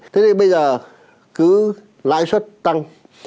thế thì bây giờ cứ lãi suất tăng